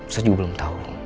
saya juga belum tau